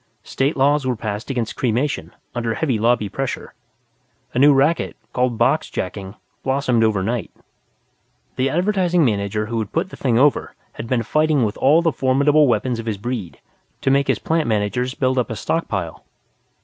State laws were passed against cremation, under heavy lobby pressure. A new racket, called boxjacking, blossomed overnight. The Advertising Manager who had put the thing over had been fighting with all the formidable weapons of his breed to make his plant managers build up a stockpile.